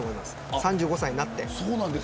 ３５歳になって。